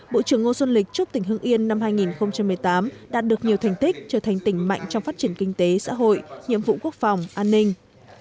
bộ trưởng ngô xuân lịch chúc tỉnh hưng yên năm hai nghìn một mươi tám đạt được nhiều thành tích trở thành tỉnh mạnh trong phát triển kinh tế xã hội nhiệm vụ quốc phòng an ninh